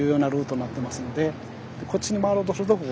こっちに回ろうとすると。